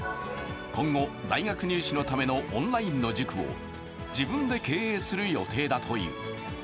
今後、大学入試のためのオンラインの塾を自分で経営する予定だという。